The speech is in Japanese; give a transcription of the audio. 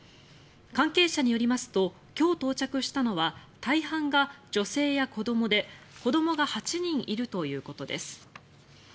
関係者によりますと今日到着したのは大半が女性や子どもで子どもが８人いるということです。